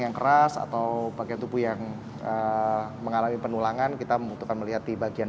yang keras atau bagian tubuh yang mengalami penulangan kita membutuhkan melihat di bagian